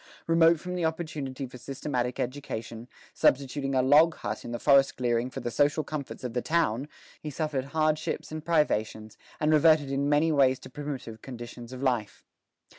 Remote from the opportunity for systematic education, substituting a log hut in the forest clearing for the social comforts of the town, he suffered hardships and privations, and reverted in many ways to primitive conditions of life.